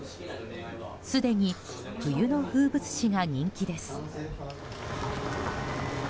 すでに冬の風物詩が人気です。